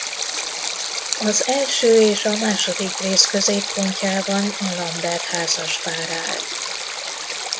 Az első és a második rész középpontjában a Lambert házaspár áll.